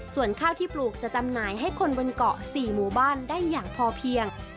ส่วนข้าวที่ปลูกจะจำหน่ายให้คนบนเกาะ๔หมู่บ้านได้อย่างพอเพียง